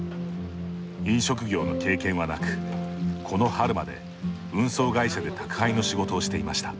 飲食業の経験はなくこの春まで運送会社で宅配の仕事をしていました。